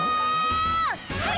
はい！